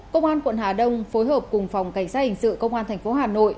công an quận hà đông phối hợp cùng phòng cảnh sát hình sự công an tp hà nội